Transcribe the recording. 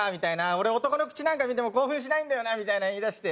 「俺男の口なんか見ても興奮しないんだよな」みたいな言い出して。